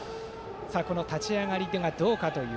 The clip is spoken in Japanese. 立ち上がりがどうかという。